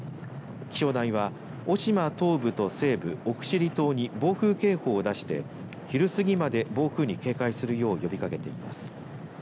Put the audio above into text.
気象台は渡島東部と西部奥尻島に暴風警報を出して昼過ぎまで暴風に警戒するよう呼びかけています。